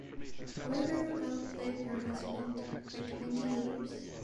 Reuter outlived her husband by twenty years.